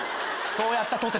そうやったとて。